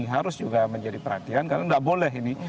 harus juga menjadi perhatian karena nggak boleh ini